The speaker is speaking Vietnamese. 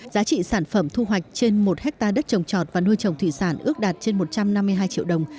giá trị sản phẩm thu hoạch trên một hectare đất trồng trọt và nuôi trồng thủy sản ước đạt trên một trăm năm mươi hai triệu đồng